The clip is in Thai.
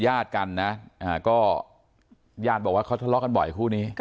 ญาติกันนะก็ญาติบอกว่าเขาทะเลาะกันบ่อยคู่นี้